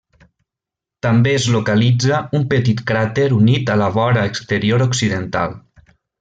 També es localitza un petit cràter unit a la vora exterior occidental.